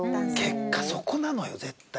結果そこなのよ絶対。